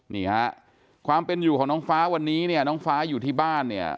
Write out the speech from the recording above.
นี่ฮะความเป็นอยู่ของน้องฟ้าวันนี้เนี่ยน้องฟ้าอยู่ที่บ้านเนี่ย